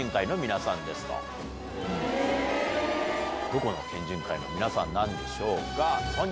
どこの県人会の皆さんなんでしょうか？